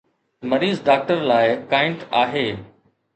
مريض ڊاڪٽر لاء "ڪائنٽ" آهي.